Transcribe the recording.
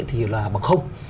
thì là bằng không